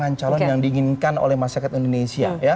pasangan calon yang diinginkan oleh masyarakat indonesia